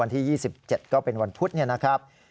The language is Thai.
วันที่๒๗ก็เป็นวันพุธเนี่ยนะครับ